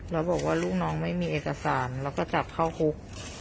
แล้วบอกว่าลูกน้องไม่มีเอกสารแล้วก็จับเข้าคุก